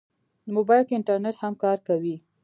موبایل کې انټرنیټ هم کار کوي.